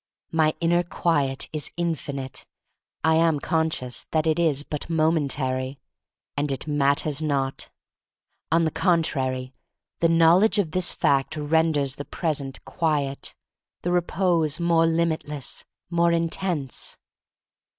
My inner quiet is infinite. I am con scious that it is but momentary, and it matters not. On the contrary, the knowledge of this fact renders the present quiet — the repose, more limit less, more intense.